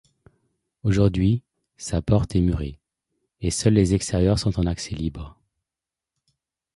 Aujourd'hui, sa porte est murée et seuls les extérieurs sont en accès libre.